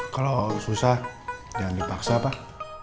kalau susah jangan dipaksa pak